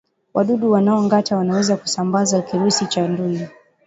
Wadudu wanaongata wanaweza kusambaza kirusi cha ndui